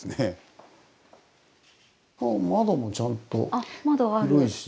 窓もちゃんと広いし。